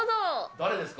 誰ですか？